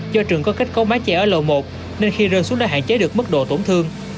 do trường có kết cấu mái chè ở lầu một nên khi rơi xuống đã hạn chế được mức độ tổn thương